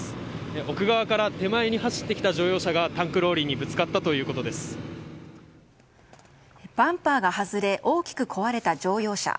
奥側から手前に走ってきた乗用車がタンクローリーにバンパーが外れ大きく壊れた乗用車。